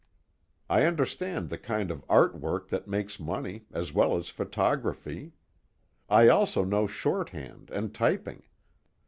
I understand the kind of art work that makes money, as well as photography. I also know shorthand and typing.